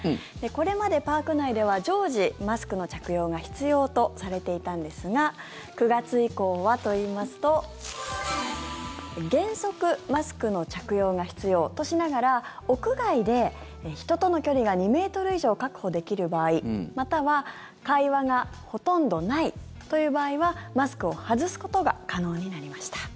これまでパーク内では常時、マスクの着用が必要とされていたんですが９月以降はといいますと原則、マスクの着用が必要としながら屋外で人との距離が２ｍ以上確保できる場合または会話がほとんどないという場合はマスクを外すことが可能になりました。